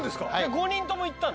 ５人とも行ったの？